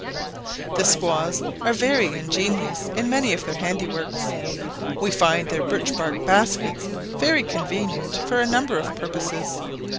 The squaws are very ingenious in many of their handiworks. We find their birch bark baskets very convenient for a number of purposes.